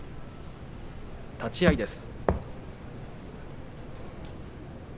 立ち合いです。